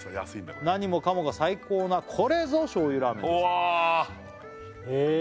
「何もかもが最高なこれぞ醤油ラーメンです」へえ